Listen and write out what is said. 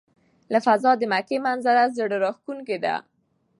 له فضا د مکې منظره د زړه راښکونکې ده.